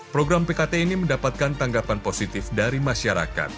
program pkt ini mendapatkan tanggapan positif dari masyarakat